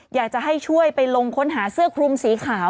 อยากจะให้ช่วยไปลงค้นหาเสื้อคลุมสีขาว